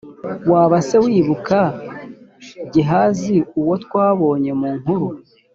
waba se wibuka gehazi uwo twabonye mu nkuru